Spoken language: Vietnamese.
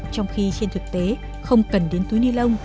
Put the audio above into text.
trong khi trên thực tế không cần đến túi nilon